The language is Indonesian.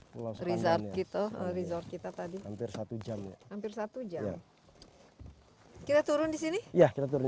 pulau resort kita resort kita tadi hampir satu jam ya hampir satu jam kita turun di sini ya kita turun